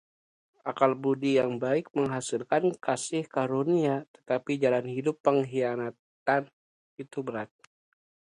Akal budi yang baik menghasilkan kasih karunia, tetapi jalan hidup pengkhianat itu berat.